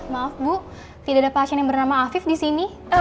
maaf bu tidak ada pasien yang bernama afif disini